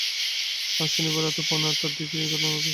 আজ শনিবার রাত পৌনে আটটার দিকে এই দুর্ঘটনা ঘটে।